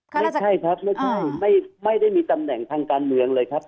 ไม่ใช่ครับไม่ใช่ไม่ได้มีตำแหน่งทางการเมืองเลยครับ